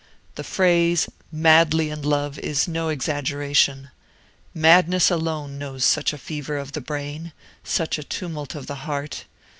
The phrase, madly in love, is no exaggeration; madness alone knows such a fever of the brain, such a tumult of the heart.